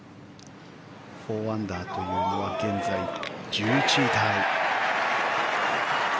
４アンダーというのは現在１１位タイ。